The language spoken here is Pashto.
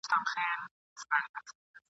زموږ له ډلي اولادونه ځي ورکیږي !.